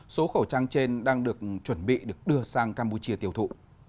số khẩu trang trên đang được chuẩn bị được đưa sang campuchia tiêu thụ